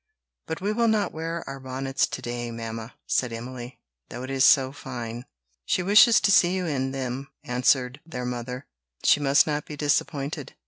"But we will not wear our bonnets to day, mamma," said Emily, "though it is so fine." "She wishes to see you in them," answered their mother; "she must not be disappointed."